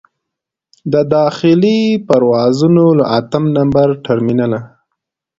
د داخلي پروازونو له اتم نمبر ټرمینله.